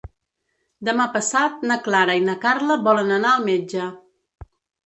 Demà passat na Clara i na Carla volen anar al metge.